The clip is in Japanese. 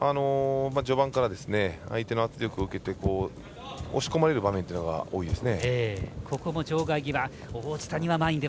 序盤から、相手の圧力を受けて押し込まれる場面が多いです。